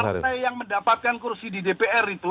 partai yang mendapatkan kursi di dpr itu